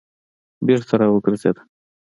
بېرته راگرځېده.